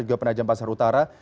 juga panajam pasar utara